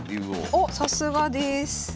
おっさすがです。